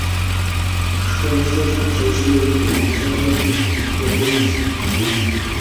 科斯塔港是位于美国加利福尼亚州康特拉科斯塔县的一个人口普查指定地区。